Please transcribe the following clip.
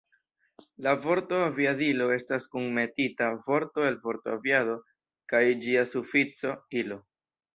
La vorto Aviadilo estas kunmetita vorto el vorto aviado kaj ĝia sufikso, -ilo.